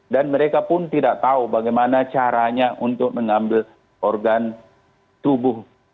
dan mereka pun tidak tahu bagaimana caranya untuk mengambil organ tubuh